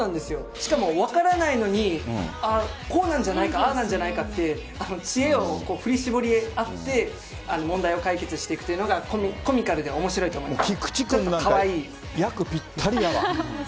しかも分からないのに、こうなんじゃないか、ああなんじゃないかって、知恵を振り絞り合って問題を解決していくというのが、コミカルでおもしろいと思います。